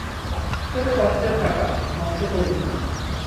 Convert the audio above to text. তোর কষ্টের টাকা, নষ্ট করিস না।